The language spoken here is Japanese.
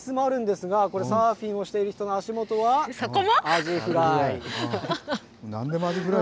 そして扇子もあるんですがサーフィンをしている人も足元はアジフライ。